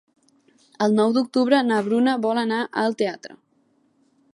El nou d'octubre na Bruna vol anar al teatre.